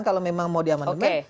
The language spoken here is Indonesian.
kalau memang mau diamandemen